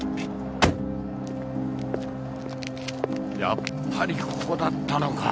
やっぱりここだったのか。